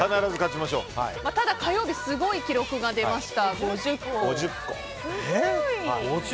ただ、火曜日すごい記録が出ました。